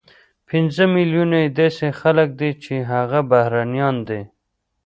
پنځه ملیونه یې داسې خلک دي چې هغه بهرنیان دي،